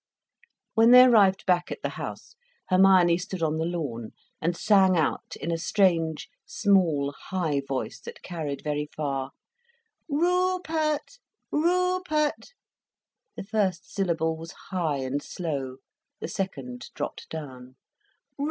When they arrived back at the house, Hermione stood on the lawn and sang out, in a strange, small, high voice that carried very far: "Rupert! Rupert!" The first syllable was high and slow, the second dropped down.